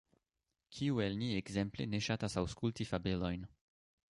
Kiu el ni ekzemple ne ŝatas aŭskulti fabelojn?